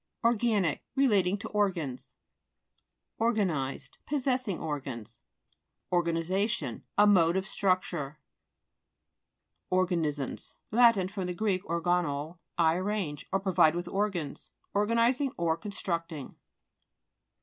ORGA'XIC Relating to organs. ORGANIZED Possessing organs. ORGAifizA'Tioir A mode of struc ture. OHGA'JTISANS Lat. fr.gr. organoo, I arrange, or provide with organs. Organizing, constructing.